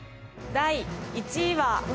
第１位は。